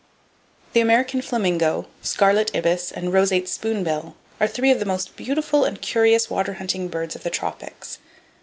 The American Flamingo, Scarlet Ibis And Roseate Spoonbill are three of the most beautiful and curious water haunting birds of the tropics.